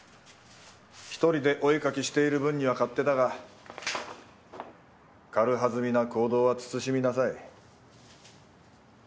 一人でお絵描きしている分には勝手だが軽はずみな行動は慎みなさい。